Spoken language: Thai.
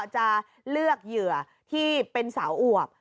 จะเลือกเหยื่อที่เป็นสาวอวบ